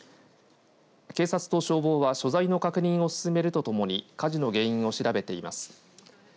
警察と消防は所在の確認を進めるとともに火事の原因を調べています。